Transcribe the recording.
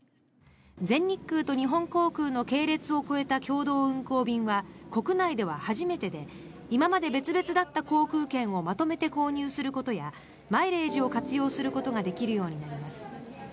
全日空と日本航空の系列を超えた共同運航便は国内では初めてで今まで別々だった航空券をまとめて購入することやマイレージを活用することができるようになります。